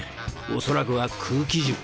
恐らくは空気銃。